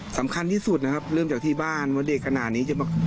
สำคัญที่สุดนะครับเริ่มจากที่บ้านว่าเด็กขนาดนี้จะแบบ